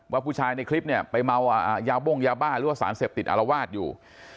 ว่าผู้ชายในคลิปเนี่ยไปเมายาบ้งยาบ้าหรือว่าสารเสพติดอารวาสอยู่